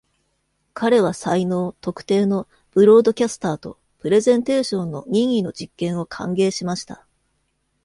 彼は才能、特定のブロードキャスターとプレゼンテーションの任意の実験を歓迎しました。